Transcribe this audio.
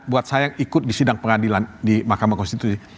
buat saya yang ikut di sidang pengadilan di mahkamah konstitusi